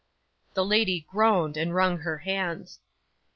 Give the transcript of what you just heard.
'The lady groaned, and wrung her hands.